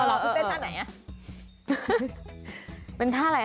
คุณเต้นท่าไหน